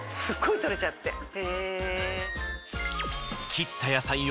すごい採れちゃって。